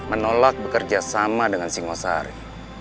menolak bekerja sama dengan singosari